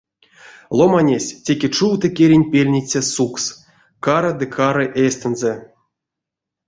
Ломанесь теке чувто керень пельниця сукс: кары ды кары эстензэ.